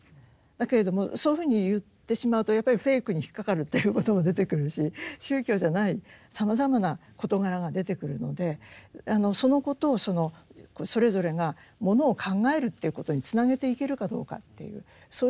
だけれどもそういうふうに言ってしまうとやっぱりフェイクに引っ掛かるということも出てくるし宗教じゃないさまざまな事柄が出てくるのでそのことをそれぞれがものを考えるっていうことにつなげていけるかどうかっていうそういうことが問われてると思いますね。